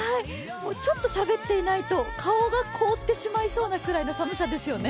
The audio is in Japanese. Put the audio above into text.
ちょっとしゃべっていないと顔が凍ってしまいそうなくらいの寒さですよね。